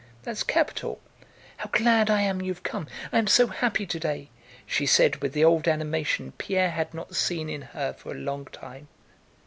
"That's capital!" "How glad I am you've come! I am so happy today," she said, with the old animation Pierre had not seen in her for a long time.